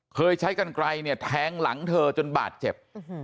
เคยใช้กันไกลเนี่ยแทงหลังเธอจนบาดเจ็บ